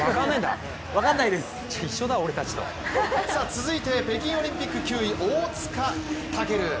続いて北京オリンピック９位大塚健。